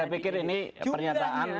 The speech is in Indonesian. saya pikir ini pernyataan